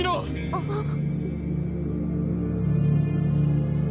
あっ。